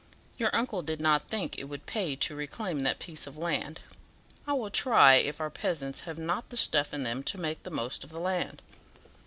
Your uncle did not think it would pay to reclaim that piece of land; I will try if our peasants have not the stuff in them to make the most of the land."